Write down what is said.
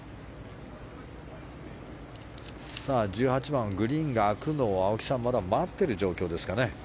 １８番、グリーンが開くのを待っている状況ですかね。